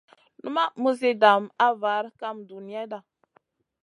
Numaʼ muzi dam a var kam duniyada.